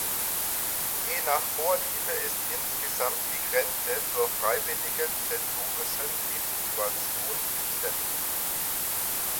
Je nach Vorliebe ist insgesamt die Grenze zur freiwilligen sensorischen Deprivation fließend.